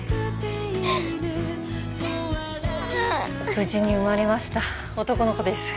無事に生まれました男の子です